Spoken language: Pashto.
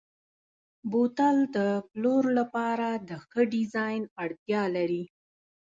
بوتل د پلور لپاره د ښه ډیزاین اړتیا لري.